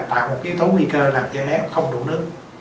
tạo một yếu tố nguy cơ làm cho em bé không đủ nước